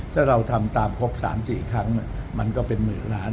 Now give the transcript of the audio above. ถ้าเราทำตามครบ๓๔ครั้งมันก็เป็นหมื่นล้าน